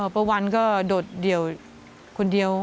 ป้าวันก็โดดเดี่ยวคนเดียว